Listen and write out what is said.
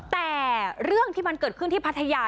แต่เรื่องที่มันเกิดขึ้นที่พัทยา